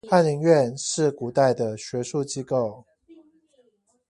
翰林院是古代的學術機構